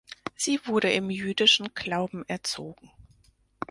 Sie wurde im jüdischen Glauben erzogen.